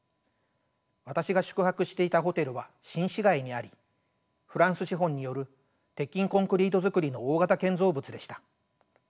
私が宿泊していたホテルは新市街にありフランス資本による鉄筋コンクリート造りの大型建造物でした。